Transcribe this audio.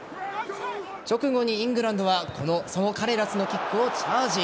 直後にイングランドはそのカレラスのキックをチャージ。